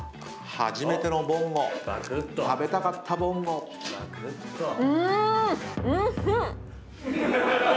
初めての「ぼんご」食べたかった「ぼんご」うーん！